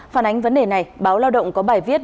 phản ánh vấn đề này báo lao động có bài viết